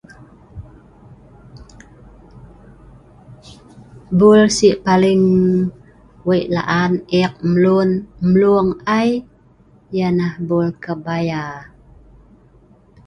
Bul sik paling weik laan e’ek emlung ai yeh neh bul kebaya